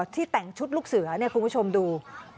ที่แต่งชุดลูกเสือคุณผู้ชมดู